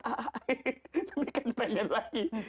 tapi kan pendek lagi